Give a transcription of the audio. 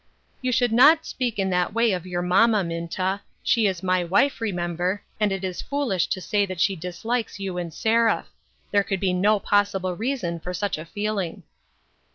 " You should not speak in that way of your mamma, Minta ; she is my wife, remember, and it is foolish to say that she dislikes you and Seraph ; there could be no possible reason for such a feeling."